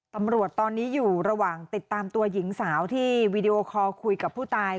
ตำรวจตอนนี้อยู่ระหว่างติดตามตัวหญิงสาวที่วีดีโอคอลคุยกับผู้ตาย